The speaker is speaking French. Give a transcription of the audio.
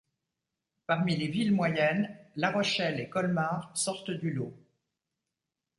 Parmi les villes moyennes, La Rochelle et Colmar sortent du lot.